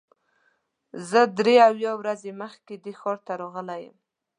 زه درې اویا ورځې مخکې دې ښار ته راغلی یم.